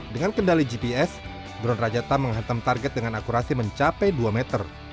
dengan kendali gps drone rajata menghantam target dengan akurasi mencapai dua meter